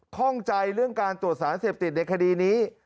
ข้องใจเรื่องการตรวจสารเสพติดในคดีนี้